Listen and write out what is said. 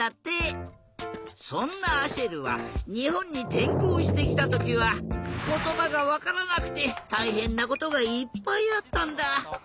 そんなアシェルはにほんにてんこうしてきたときはことばがわからなくてたいへんなことがいっぱいあったんだ。